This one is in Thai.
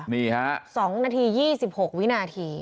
๒นาที๒๖วินาที